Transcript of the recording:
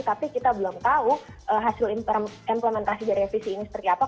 tapi kita belum tahu hasil implementasi dari revisi ini seperti apa